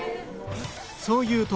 そう言うと